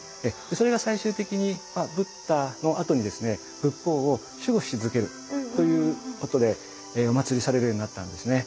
それが最終的にブッダのあとにですね仏法を守護し続けるということでおまつりされるようになったんですね。